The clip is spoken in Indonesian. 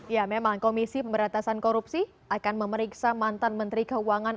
ya memang komisi pemberantasan korupsi akan memeriksa mantan menteri keuangan